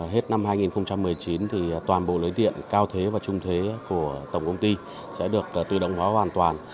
hết năm hai nghìn một mươi chín thì toàn bộ lưới điện cao thế và trung thế của tổng công ty sẽ được tự động hóa hoàn toàn